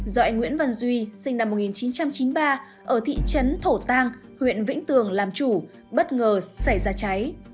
do anh nguyễn văn duy sinh năm một nghìn chín trăm chín mươi ba ở thị trấn thổ tàng huyện vĩnh tường làm chủ bất ngờ xảy ra cháy